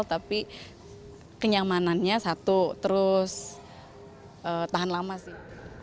tapi kenyamanannya satu terus tahan lama sih